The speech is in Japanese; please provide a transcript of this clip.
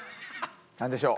何でしょう？